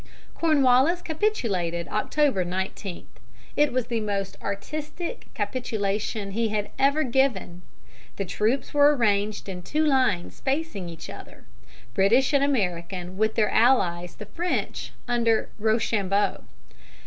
Cornwallis capitulated October 19. It was the most artistic capitulation he had ever given. The troops were arranged in two lines facing each other, British and American with their allies the French under Rochambeau.